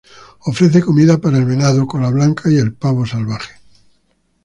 Ofrecen comida para el venado cola blanca y el pavo salvaje.